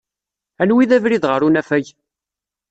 Anwa i d abrid ɣer unafag?